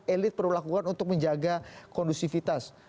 elit perlu lakukan untuk menjaga kondusivitas